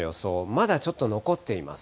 まだちょっと残っています。